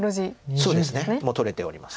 そうですねもう取れております。